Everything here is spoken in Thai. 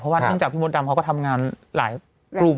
เพราะว่าตั้งแต่พี่มนต์ดำเขาก็ทำงานหลายกลุ่ม